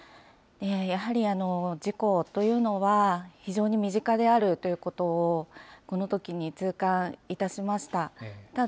やはり事故というのは、非常に身近であるということを、このときに痛感いたしました。